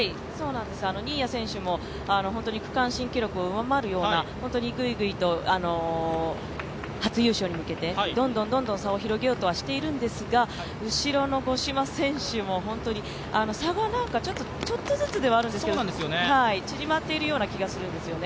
新谷選手も区間新記録を上回るような、本当にグイグイと初優勝に向けて、どんどん差を広げようとはしているんですが、後ろの五島選手も差がちょっとずつではあるんですが縮まっているような気がするんですよね。